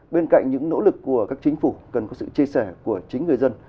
bên cạnh những nỗ lực của các chính phủ cần có sự chia sẻ của chính người dân